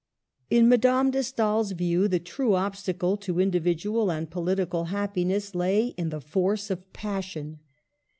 In Madame de Stael's view the true obstacle to individual and political happiness lay in the force of passion.